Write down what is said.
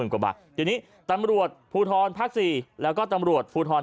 กว่าบาททีนี้ตำรวจภูทรภาค๔แล้วก็ตำรวจภูทร